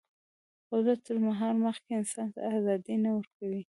قدرت تر مهار مخکې انسان ته ازادي نه ورکوي.